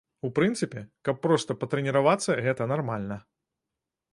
У прынцыпе, каб проста патрэніравацца, гэта нармальна.